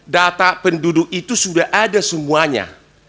data penduduk itu sudah ada semuanya